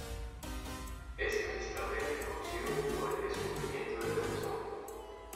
Es principalmente conocido por el descubrimiento del neutrón.